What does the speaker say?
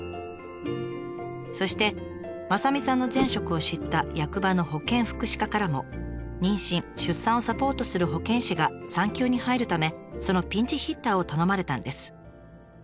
そして雅美さんの前職を知った役場の保健福祉課からも妊娠出産をサポートする保健師が産休に入るためそのピンチヒッターを頼まれたんです。